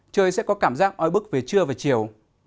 trời sẽ có cảm giác oi bức về trưa và chiều